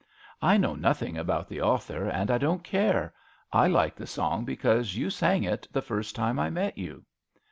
" I know nothing about the author, and I don't care ; I like the song because you sang it the first time I met you."